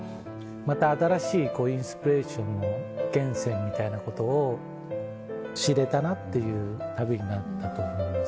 また新しいインスピレーションの源泉みたいなことを知れたなっていう旅になったと思います